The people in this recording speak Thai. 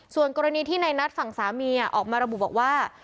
ส่วนกรณีที่ในนัดฝั่งสามีออกมาระบุบอกว่า